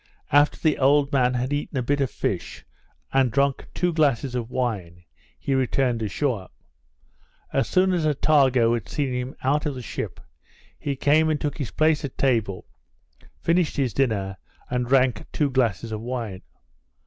After the old man had eaten a bit of fish, and drank two glasses of wine, he returned ashore. As soon as Attago had seen him out of the ship, he came and took his place at table, finished his dinner, and drank two glasses of wine.